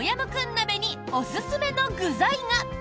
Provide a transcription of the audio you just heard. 鍋におすすめの具材が。